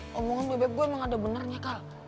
ngomongan bebeb gue emang ada benernya kal